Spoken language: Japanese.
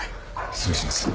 失礼します。